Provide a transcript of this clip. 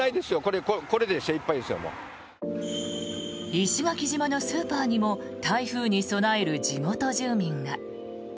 石垣島のスーパーにも台風に備える地元住民が。